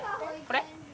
これ？